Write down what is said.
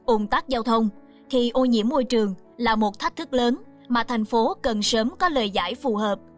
ủn tắc giao thông thì ô nhiễm môi trường là một thách thức lớn mà thành phố cần sớm có lời giải phù hợp